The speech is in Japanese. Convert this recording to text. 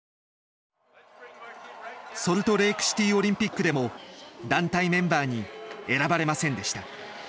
ソルトレークシティーオリンピックでも団体メンバーに選ばれませんでした。